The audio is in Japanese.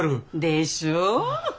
でしょう？